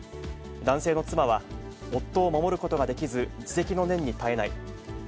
男性の妻は、夫を守ることができず、自責の念に堪えない。